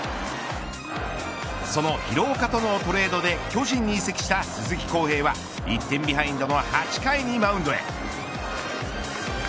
その廣岡とのトレードで巨人に移籍した鈴木康平は１点ビハインドの８回にマウンドへ。